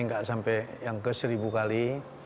nggak sampai yang ke seribu kali